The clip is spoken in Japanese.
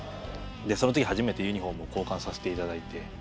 その時初めてユニホームを交換させていただいて。